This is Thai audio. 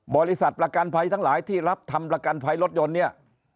บริษัทประกันภัยทั้งหลายที่รับทำประกันภัยรถยนต์เนี่ย